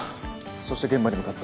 そして現場に向かった。